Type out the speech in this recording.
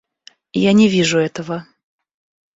Я не вижу этого.